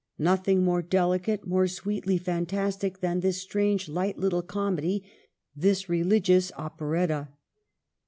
Nothing more delicate, more sweetly fantastic, than this strange, light little comedy, this re ligious operetta.